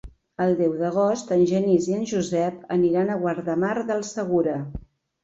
El deu d'agost en Genís i en Josep aniran a Guardamar del Segura.